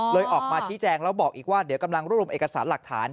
ออกมาชี้แจงแล้วบอกอีกว่าเดี๋ยวกำลังรวบรวมเอกสารหลักฐาน